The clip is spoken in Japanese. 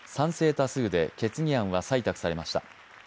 多数で決議案は採択されました。